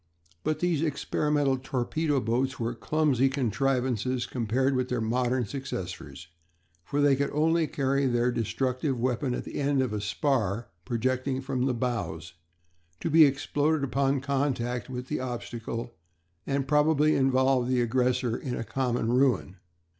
But these experimental torpedo boats were clumsy contrivances compared with their modern successors, for they could only carry their destructive weapon at the end of a spar projecting from the bows to be exploded upon contact with the obstacle, and probably involve the aggressor in a common ruin.